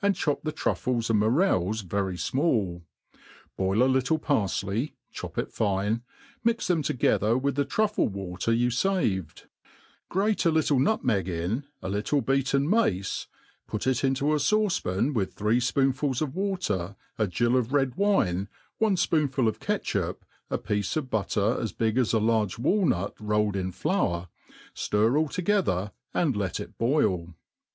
chop the truffles and morels very fmall, bail a little parQey,,chop it fine, mix them together with the truffle* water you faved, gratp a little nutmeg in^ a little beaten mace, put it into a fauce pan with three fpoonfuls of water, a gill of red wine, one'fpoonfulof catchup,, a piece of butter as big as a large walnut rollefl in flour, ftir all together, and let it boil.